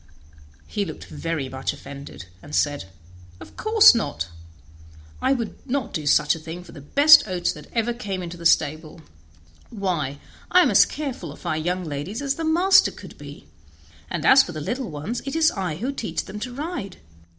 He looked very much offended, and said: "Of course not; I would not do such a thing for the best oats that ever came into the stable; why, I am as careful of our young ladies as the master could be, and as for the little ones it is I who teach them to ride.